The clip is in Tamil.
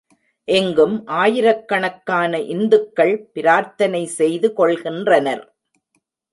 இங்கும் ஆயிரக்கணக்கான இந்துக்கள் பிரார்த்தனை செய்து கொள்கின்றனர்.